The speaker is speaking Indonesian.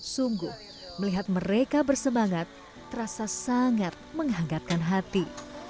sungguh melihat mereka bersemangat terasa sangat menghangatkan hati